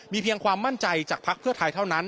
เพียงความมั่นใจจากภักดิ์เพื่อไทยเท่านั้น